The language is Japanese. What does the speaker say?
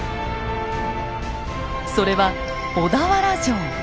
それは小田原城。